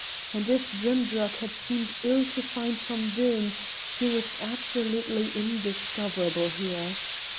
And if Drimdarroch had seemed ill to find from Doom, he was absolutely indiscoverable here.